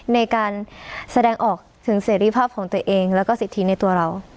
ในการแสดงออกถึงเสรีภาพของตัวเองแล้วก็สิทธิในตัวเรา